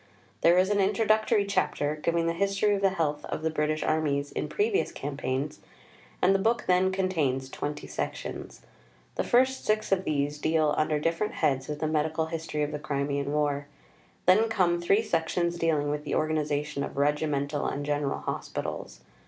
There is an Introductory Chapter giving the history of the health of the British armies in previous campaigns, and the book then contains twenty sections. The first six of these deal under different heads with the medical history of the Crimean War. Then come three sections dealing with the organization of Regimental and General Hospitals.